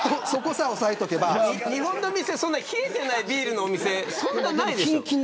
日本の店冷えてないビールのお店そんなないですよ。